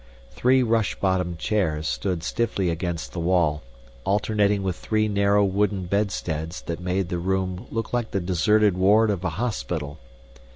Three rush bottomed chairs stood stiffly against the wall, alternating with three narrow wooden bedsteads that made the room look like the deserted ward of a hospital.